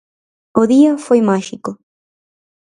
O día foi máxico.